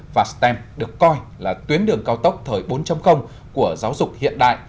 và stem được coi là tuyến đường cao tốc thời bốn của giáo dục hiện đại